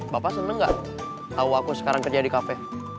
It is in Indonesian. bapak seneng nggak tau aku sekarang kerja di kafe